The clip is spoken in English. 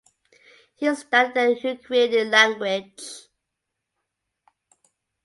He studied the Ukrainian language.